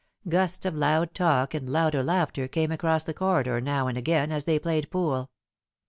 Gusts of loud talk and louder laughter came across the corridor now and again as they played pool.